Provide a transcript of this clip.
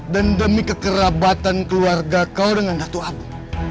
dan demi kekerabatan keluarga kau dengan datu abu